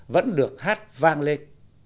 vẫn được hát vang lên